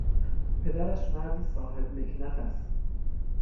پدرش مردی صاحب مکنت است.